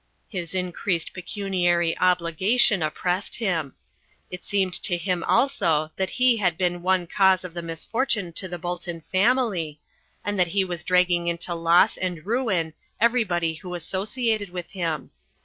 His increased pecuniary obligation oppressed him. It seemed to him also that he had been one cause of the misfortune to the Bolton family, and that he was dragging into loss and ruin everybody who associated with him.